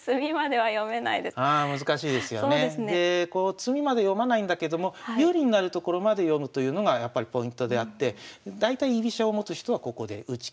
詰みまで読まないんだけども有利になるところまで読むというのがやっぱりポイントであって大体居飛車を持つ人はここで打ち切るんですよね。